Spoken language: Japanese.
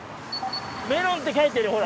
メロンって書いてるほら。